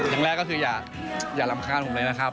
อย่างแรกก็คืออย่ารำคาญผมเลยนะครับ